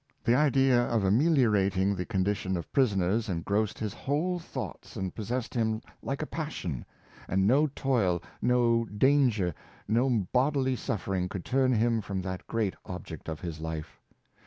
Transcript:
The idea of ameliorating the con dition of prisoners engrossed his whole thoughts and possessed him like a passion, and no toil nor danger, nor bodily suffering could turn him from that great Andrew MarvelL 289 object of his life.